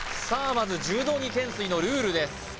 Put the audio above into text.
まず柔道着けん垂！のルールです